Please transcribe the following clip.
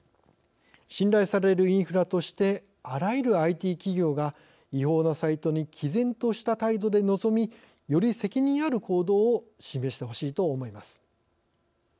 信頼されるインフラとしてあらゆるＩＴ企業が違法なサイトにきぜんとした態度で臨みより責任ある行動を示してほしいと思います。